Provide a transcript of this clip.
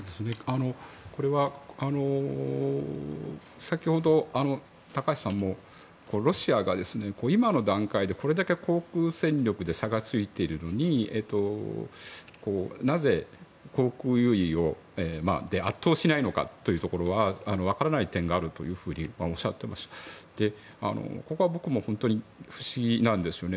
これは先ほど高橋さんもロシアが今の段階でこれだけ航空戦力で差がついているのになぜ、航空優位で圧倒しないのかというところは分からない点があるとおっしゃっていましたがここは僕も本当に不思議なんですよね。